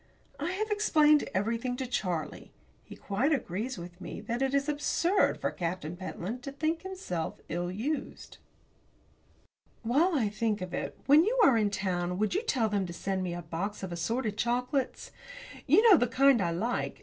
I have explained everything to Charlie. He quite agrees with me that it is absurd for Captain Pentland to think himself ill used. While I think of it, when you are in town will you tell them to send me a box of assorted chocolates? You know the kind I like.